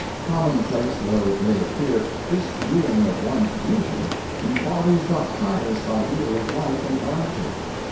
• Commonplace though it may appear, this doing of one's duty embodies the highest ideal of life and char acter.